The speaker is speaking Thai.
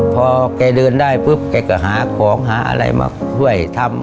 พอแกเดินได้ปุ๊บแกก็หาของหาอะไรมาช่วยทำ